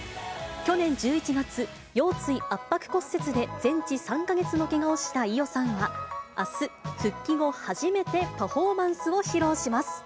去年１１月、腰椎圧迫骨折で全治３か月のけがをした伊代さんは、あす、復帰後初めてパフォーマンスを披露します。